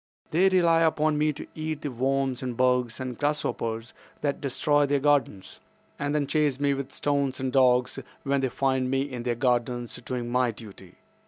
They rely upon me to eat the worms and bugs and grasshoppers that destroy their gardens, and then chase me with stones and dogs when they find me in their gardens doing my duty.